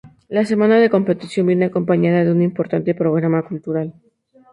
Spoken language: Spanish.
La semana de competición viene acompañada de un importante programa cultural.